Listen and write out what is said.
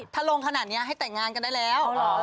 ถ้าลงขนาดนี้ให้แต่งงานกันได้แล้ว